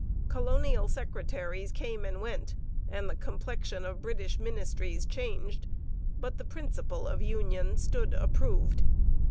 Colonial secretaries came and went and the complexion of British ministries changed, but the principle of union stood approved.